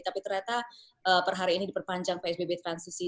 tapi ternyata per hari ini diperpanjang psbb transisi